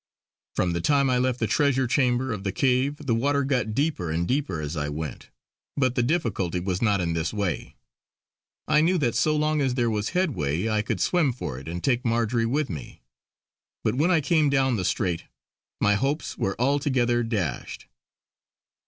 From the time I left the treasure chamber of the cave the water got deeper and deeper as I went, but the difficulty was not in this way; I knew that so long as there was headway I could swim for it and take Marjory with me. But when I came down the straight, my hopes were altogether dashed.